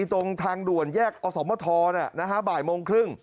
ตรงทางด่วนแยกอสมทรบ่ายโมงครึ่ง